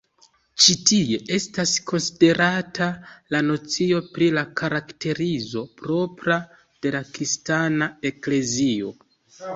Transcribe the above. Ĉi tie estas konsiderata la nocio pri la karakterizo propra de la Kristana Eklezio.